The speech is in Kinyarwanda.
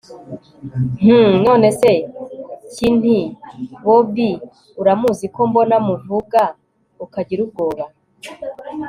hhm! nonese cynti! bobi uramuzi ko mbona muvuga ukagira ubwoba!